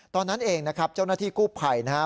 ตอนนั้นเองนะครับเจ้าหน้าที่กู้ภัยนะฮะ